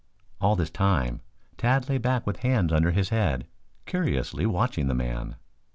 All this time Tad lay back with hands under his head, curiously watching the man.